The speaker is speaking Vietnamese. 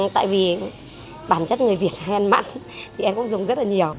tại vì bản chất người việt hay ăn mặn thì em cũng dùng rất là nhiều